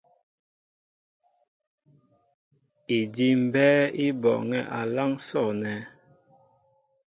Idí' mbɛ́ɛ́ í bɔɔŋɛ́ a láŋ sɔ̂nɛ́.